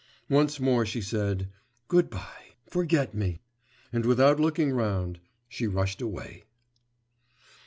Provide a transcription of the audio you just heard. Once more she said, 'Good bye, forget me,' and without looking round she rushed away.